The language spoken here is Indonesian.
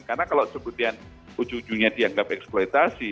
karena kalau sebetulnya ujung ujungnya dianggap eksploitasi